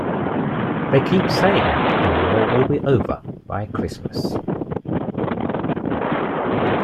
They keep saying the war will be over by Christmas.